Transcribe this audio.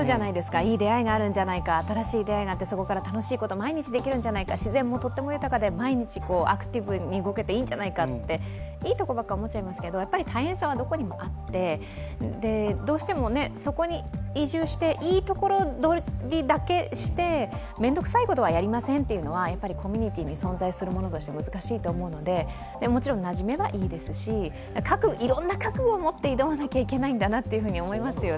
いい出会いがあるんじゃないか新しい出会いがあって、そこから楽しいことがあるんじゃないか自然もとっても豊かで毎日アクティブに動けていいんじゃないかといいところばっかり思っちゃいますけど大変さはどこにでもあってどうしても、そこに移住していいとこ取りだけして面倒くさいことはやりませんというのはコミュニティーとして存在する者として難しいと思うのでもちろんなじめばいいですしいろんな覚悟を持って挑まなければいけないんじゃないかなと思いますね。